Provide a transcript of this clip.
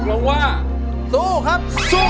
ตกลงว่าสู้ครับ